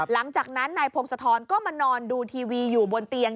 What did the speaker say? หลังจากนั้นนายพงศธรก็มานอนดูทีวีอยู่บนเตียง